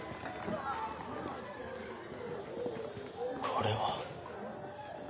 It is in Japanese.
これは。